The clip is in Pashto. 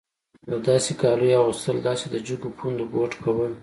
د داسې کالیو اغوستل داسې د جګو پوندو بوټ کول.